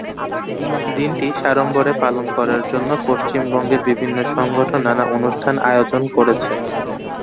দিনটি সাড়ম্বরে পালন করার জন্য পশ্চিমবঙ্গের বিভিন্ন সংগঠন নানা অনুষ্ঠান আয়োজন করছে।